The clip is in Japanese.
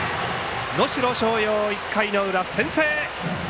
能代松陽、１回の裏先制！